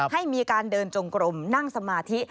ให้มีการเดินจงกลมนั่งสมาธิ